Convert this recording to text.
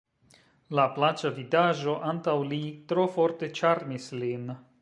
La plaĉa vidaĵo antaŭ li tro forte ĉarmis lin.